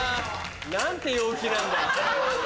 何て陽気なんだ。